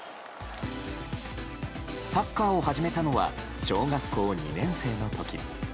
サッカーを始めたのは小学校２年生の時。